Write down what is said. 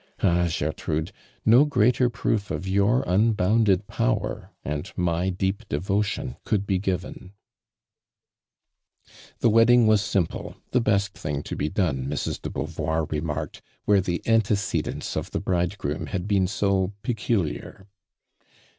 AJi, Gertrude, no greater proof of your unbounded power and my deep devotion could be given !" The wedding was simple, the best thing to be done, Mi's. de Beauvoir remarked, where the antecedents of the bridegroom had been so peculiar.